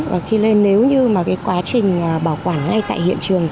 và khi lên nếu như quá trình bảo quản ngay tại hiện trường